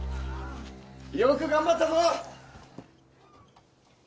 よく頑張ったぞ！